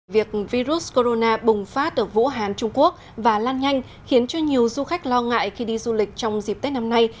việc virus corona bùng phát ở vũ hán trung quốc và lan nhanh khiến cho nhiều du khách lo ngại khi đi du lịch trong dịp tết năm nay